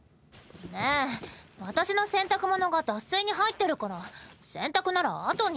ねえ私の洗濯物が脱水に入ってるから洗濯ならあとに。